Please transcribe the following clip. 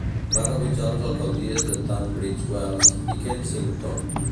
Va rebutjar les alcaldies de Tunbridge Wells i Kensington.